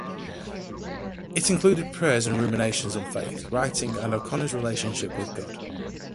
It included prayers and ruminations on faith, writing, and O'Connor's relationship with God.